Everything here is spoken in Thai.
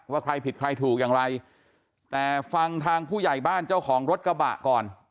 ว่าใครผิดใครถูกอย่างไรแต่ฟังทางผู้ใหญ่บ้านเจ้าของรถกระบะก่อน